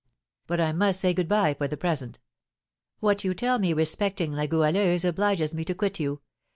But I must say good bye for the present, what you tell me respecting La Goualeuse obliges me to quit you.